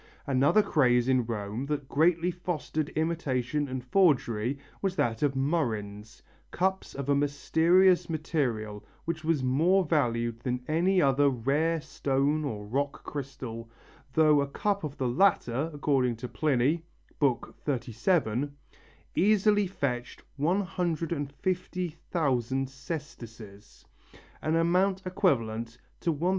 Another craze in Rome that greatly fostered imitation and forgery was that of murrhines, cups of a mysterious material which was more valued than any other rare stone or rock crystal, though a cup of the latter, according to Pliny (XXXVII), easily fetched 150,000 sesterces, an amount equivalent to £1200.